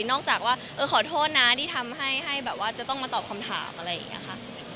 จากว่าเออขอโทษนะที่ทำให้แบบว่าจะต้องมาตอบคำถามอะไรอย่างนี้ค่ะ